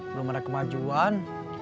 belum ada kemajuan